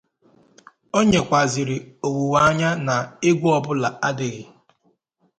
O nyekwazịrị owuweanya na égwù ọbụla adịghị